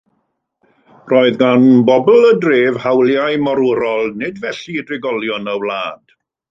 Roedd gan bobl y dref hawliau morwrol, nid felly drigolion y wlad.